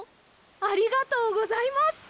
ありがとうございます。